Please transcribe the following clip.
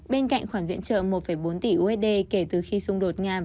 bên cạnh khoản viện trợ một bốn tỷ usd kể từ khi xung đột ngam